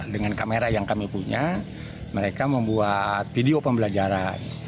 dengan kamera yang kami punya mereka membuat video pembelajaran